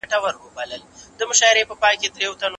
د خلګو مالونه په غير حق مه اخلئ.